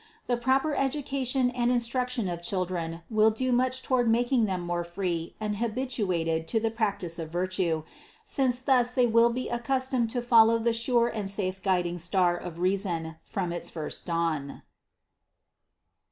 The proper education and instruction of children will do much toward making them more free and habituated to the practice of virtue, since thus they will be accustomed to follow the sure and safe guiding star of reason from its first dawn.